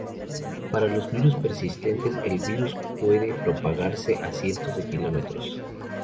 Para los virus persistentes, el virus puede propagarse a cientos de kilómetros.